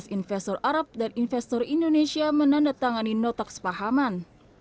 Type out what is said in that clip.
dua belas investor arab dan investor indonesia menandatangani nota kesepahaman